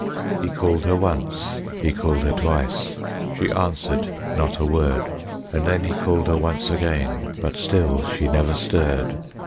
He called her once, he called her twice, she answered not a word, And then he called her once again but still she never stirred.